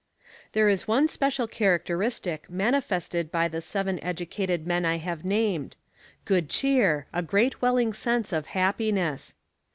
There is one special characteristic manifested by the Seven Educated men I have named good cheer, a great welling sense of happiness!